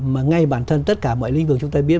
mà ngay bản thân tất cả mọi lĩnh vực chúng ta biết